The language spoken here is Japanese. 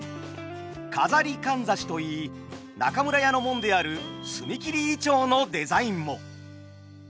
錺かんざしと言い中村屋の紋である角切銀杏のデザインも。